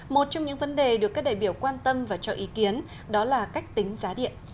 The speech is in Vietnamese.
một trong những vấn đề được các đại biểu quan tâm và cho ý kiến đó là cách tính giá điện